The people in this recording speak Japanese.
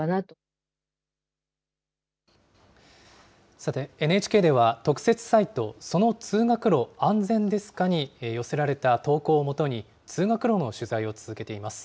さて、ＮＨＫでは特設サイト、その通学路、安全ですかに寄せられた投稿を基に、通学路の取材を続けています。